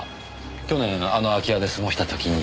去年あの空き家で過ごした時に。